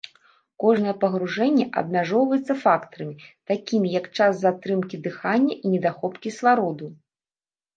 Кожнае пагружэнне абмяжоўваецца фактарамі, такімі як час затрымкі дыхання і недахоп кіслароду.